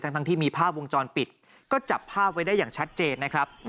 ทั้งที่มีภาพวงจรปิดก็จับภาพไว้ได้อย่างชัดเจนนะครับ